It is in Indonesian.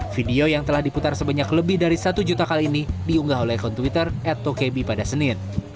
video yang telah diputar sebanyak lebih dari satu juta kali ini diunggah oleh kontwiter at tokebi pada senin